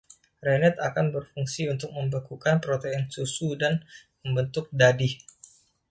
Rennet akan berfungsi untuk membekukan protein susu dan membentuk dadih.